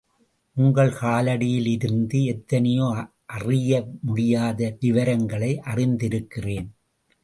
உங்கள் காலடியில் இருந்து எத்தனையோ அறிய முடியாத விவரங்களை அறிந்திருக்கிறேன்.